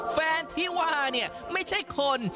แฟนที่ว่าเนี่ยไม่ใช่คน